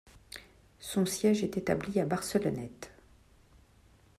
Son siège est établi à Barcelonnette.